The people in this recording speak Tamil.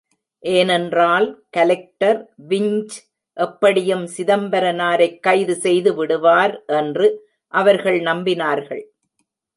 ஏனென்றால், கலெக்டர் விஞ்ச் எப்படியும் சிதம்பரனாரைக் கைது செய்து விடுவார் என்று அவர்கள் நம்பினார்கள்.